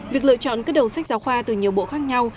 việc lựa chọn các đầu sách giáo khoa từ nhiều bộ khác nhau